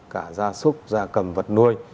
cả gia súc gia cầm vật nuôi